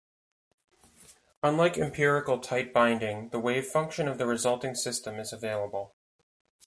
Unlike empirical tight binding the wavefunction of the resulting system is available.